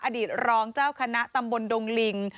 อดีตรองเจ้าคณะตำบลดงลิง